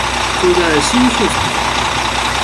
住在稀树草原。